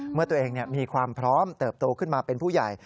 เมื่อตัวเองมีความพร้อมเติบโตขึ้นมาเป็นผู้ใหญ่